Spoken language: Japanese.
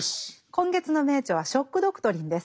今月の名著は「ショック・ドクトリン」です。